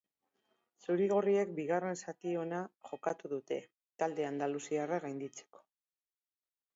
Zuri-gorriek bigarren zati ona jokatu dute talde andaluziarra gainditzeko.